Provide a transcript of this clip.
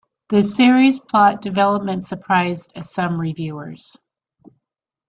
The series' plot development surprised some reviewers.